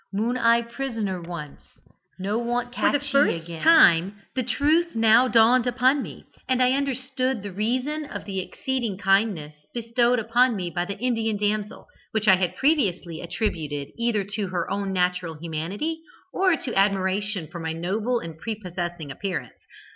Moon eye prisoner once. No want catchee again.' "For the first time the truth now dawned upon me, and I understood the reason of the exceeding kindness bestowed upon me by the Indian damsel, which I had previously attributed either to her own natural humanity, or to admiration for my noble and prepossessing appearance.